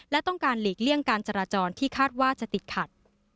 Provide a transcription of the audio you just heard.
และต้องการหลีกเลี่ยงการจราจรที่คาดว่าจะติดขัด